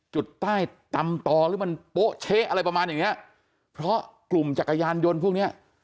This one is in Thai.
จุดใต้ตำต่อหรือมันโป๊ะเช๊อะไรประมาณอย่างเนี้ยเพราะกลุ่มจักรยานยนต์พวกเนี้ย